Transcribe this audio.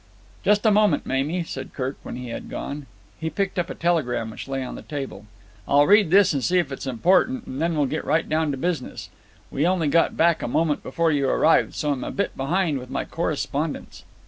"Just a moment, Mamie," said Kirk, when he had gone. He picked up a telegram which lay on the table. "I'll read this and see if it's important, and then we'll get right down to business. We only got back a moment before you arrived, so I'm a bit behind with my correspondence."